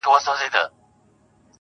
لږ په هنر ږغېږم، ډېر ډېر په کمال ږغېږم,